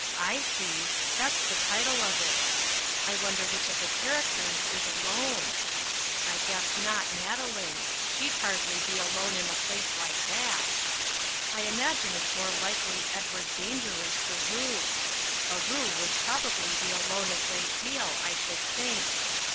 I see, that's the title of it. I wonder which of the characters is alone. I guess not Madeline: she'd hardly be alone in a place like that. I imagine it's more likely Edward Dangerous the Roo. A roo would probably be alone a great deal, I should think.